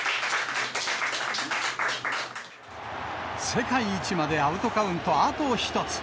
世界一までアウトカウントあと１つ。